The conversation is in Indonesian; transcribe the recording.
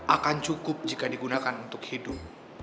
akan cukup jika digunakan untuk hidup